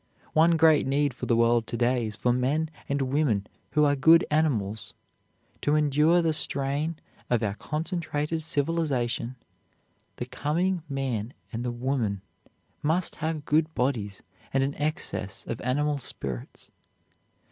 One great need for the world to day is for men and women who are good animals. To endure the strain of our concentrated civilization, the coming man and woman must have good bodies and an excess of animal spirits.